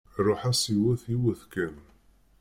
Ruḥ-as yiwet yiwet kan.